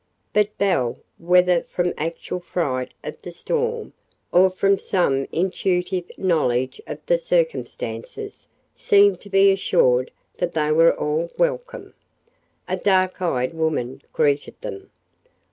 But Belle, whether from actual fright of the storm, or from some intuitive knowledge of the circumstances, seemed to be assured that they were all welcome. A dark eyed woman greeted them.